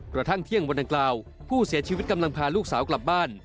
กระทั่งเที่ยงวันดังกล่าวผู้เสียชีวิตกำลังพาลูกสาวกลับบ้าน